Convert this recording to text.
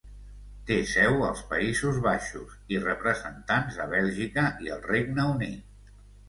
Té seu als Països Baixos i representants a Bèlgica i el Regne Unit.